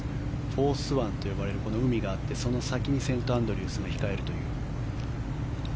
フォース湾と呼ばれる海があってその先にセントアンドリュースが控えるという。